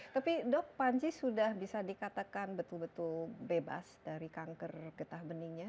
tapi dok panji sudah bisa dikatakan betul betul bebas dari kanker getah benihnya